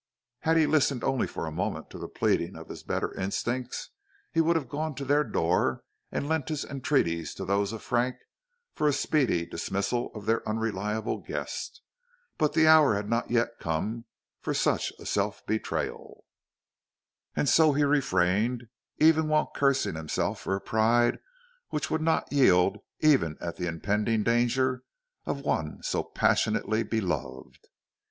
Had he listened only for a moment to the pleading of his better instincts, he would have gone to their door and lent his entreaties to those of Frank for a speedy dismissal of their unreliable guest; but the hour had not yet come for such a self betrayal, and so he refrained, even while cursing himself for a pride which would not yield even at the impending danger of one so passionately beloved.